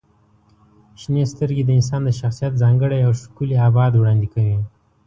• شنې سترګې د انسان د شخصیت ځانګړی او ښکلی ابعاد وړاندې کوي.